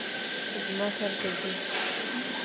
زما سر ګرځي